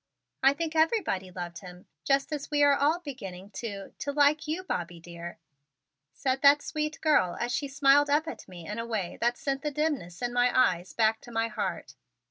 "I think everybody loved him just as we are all beginning to to like you, Bobby dear," said that sweet girl as she smiled up at me in a way that sent the dimness in my eyes back to my heart.